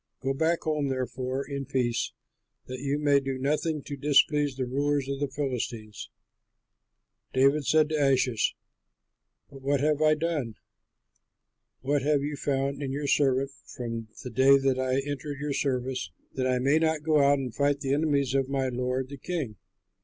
Go back home, therefore, in peace, that you may do nothing to displease the rulers of the Philistines." David said to Achish, "But what have I done? What have you found in your servant from the day that I entered your service, that I may not go out and fight the enemies of my lord the king?"